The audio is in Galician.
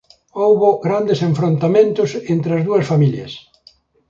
Houbo grandes enfrontamentos entre as dúas familias.